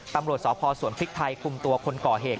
ตำรวจที่สปศวรษฎีพิษไทคุมตัวเกิดเป็นล่วง